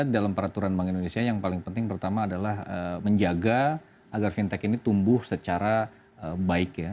jadi dalam peraturan bank indonesia yang paling penting pertama adalah menjaga agar fintech ini tumbuh secara baik ya